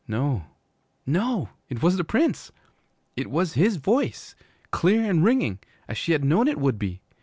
No, no, it was the Prince! It was his voice, clear and ringing, as she had known it would be.